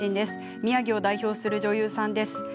宮城を代表する女優さんです。